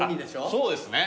そうですね。